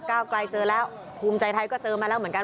ก้าวไกลเจอแล้วภูมิใจไทยก็เจอมาแล้วเหมือนกัน